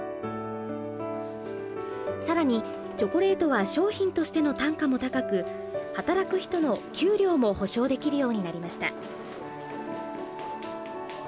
さらにチョコレートは商品としての単価も高く働く人の給料も保証できるようになりました。